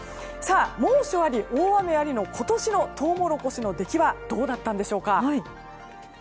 猛暑あり、大雨ありの今年のトウモロコシの出来はどうだったんでしょうか。